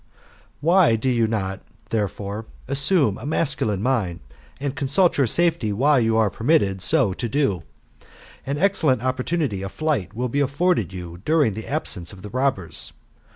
Why do you not, therefore, assume a masculine mind, and con sult your safety while you are permitted so to do ? An excellent opportunity of flight will be afforded you during the absence of the robbers.